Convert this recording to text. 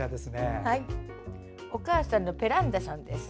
お母さんのペランダさん。